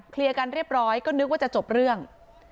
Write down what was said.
กันเรียบร้อยก็นึกว่าจะจบเรื่อง